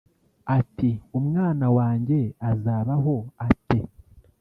Ati “Umwana wanjye azabaho ate